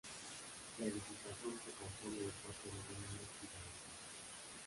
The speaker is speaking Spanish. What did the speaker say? La edificación se compone de cuatro volúmenes diferenciados.